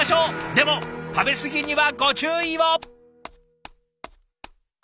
でも食べ過ぎにはご注意を！